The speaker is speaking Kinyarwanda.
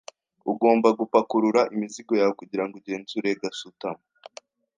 Ugomba gupakurura imizigo yawe kugirango ugenzure gasutamo.